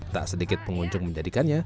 tak sedikit pengunjung menjadikannya